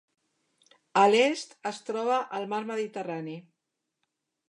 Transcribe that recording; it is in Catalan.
A l'est es troba el Mar Mediterrani.